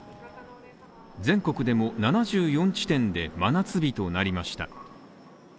全国でも７４地点で真夏日となりました。